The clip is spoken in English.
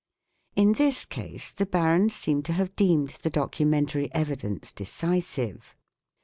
In this case the barons seem to have deemed the documentary evidence decisive.